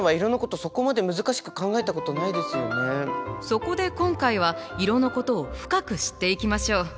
そこで今回は色のことを深く知っていきましょう。